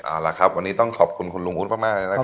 เอาละครับวันนี้ต้องขอบคุณคุณลุงอุ๊ดมากเลยนะครับ